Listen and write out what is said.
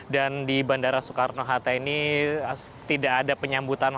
dan di bandara soekarno hatta ini tidak ada penyambutan